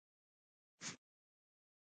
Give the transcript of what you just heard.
تر سړکه پينځه دقيقې لګېږي.